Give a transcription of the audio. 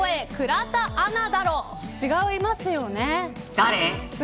誰。